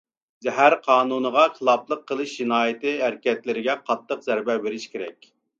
زەھەر قانۇنىغا خىلاپلىق قىلىش جىنايى ھەرىكەتلىرىگە قاتتىق زەربە بېرىش كېرەك.